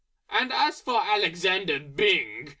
And as for Alexander Byng! ...